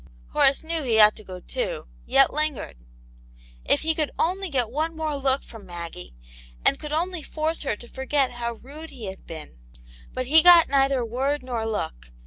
Horace knew he ought to go too, yet lingered. If he could only get one more look from Maggie, and could only force her to forget how rude he had been. But he got neither word nor look.